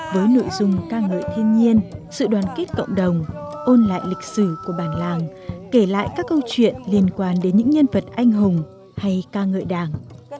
với nội dung ca ngợi thiên nhiên sự đoàn kết cộng đồng ôn lại lịch sử của bản làng kể lại các câu chuyện liên quan đến những nhân vật anh hùng hay ca ngợi đảng